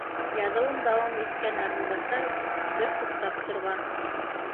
Яҙыуын дауам иткән Арынбаҫаров бер туҡтап торған